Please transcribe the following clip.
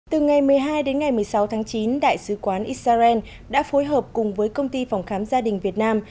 từ ngày một mươi hai đến ngày một mươi sáu tháng chín đại sứ quán israel đã phối hợp cùng với công ty phòng khám gia đình việt nam